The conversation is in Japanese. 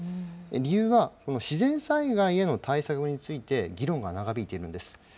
理由は、この自然災害への対策について議論が長引いているんです。